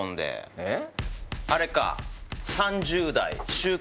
えっ？